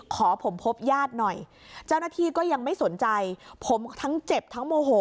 ขอผมพบญาติหน่อยเจ้าหน้าที่ก็ยังไม่สนใจผมทั้งเจ็บทั้งโมโห